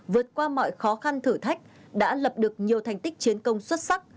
vượt qua mọi khó khăn thử thách đã lập được nhiều thành tích chiến công xuất sắc